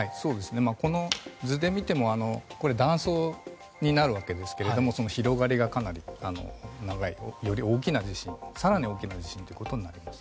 この図で見ても断層になるわけですけども広がりがかなり長いより大きな地震更に大きな地震ということになります。